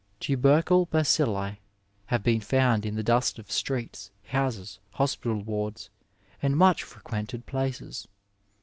Tubercle bacilli have been found in the dust of streets, houses, hospital wards, and much frequented places.